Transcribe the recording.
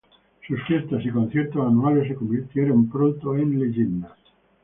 Sus fiestas y conciertos anuales se convirtieron pronto en leyenda.